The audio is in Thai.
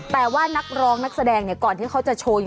แต่ว่านักร้องนักแสดงเนี่ยก่อนที่เขาจะโชว์อยู่